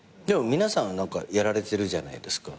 皆さん何かやられてるじゃないですか。